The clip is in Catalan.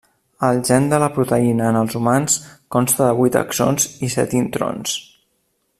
El gen de la proteïna en els humans consta de vuit exons i set introns.